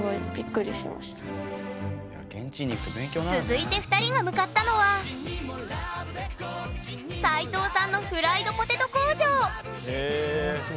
続いて２人が向かったのは齋藤さんのフライドポテト工場！